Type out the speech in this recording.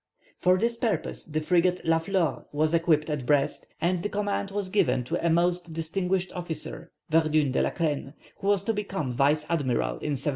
For this purpose the frigate La Flore was equipped at Brest, and the command was given to a most distinguished officer, Verdun de la Crenne, who was to become vice admiral in 1786.